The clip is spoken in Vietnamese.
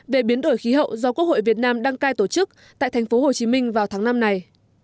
về biến đổi khí hậu do quốc hội việt nam đăng cai tổ chức tại thành phố hồ chí minh vào tháng năm này